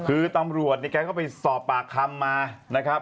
คือตำรวจเนี่ยแกก็ไปสอบปากคำมานะครับ